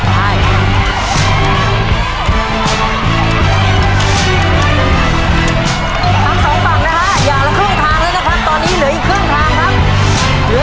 ทั้งสองฝั่งนะฮะอย่างละครึ่งทางแล้วนะครับตอนนี้เหลืออีกครึ่งทางครับ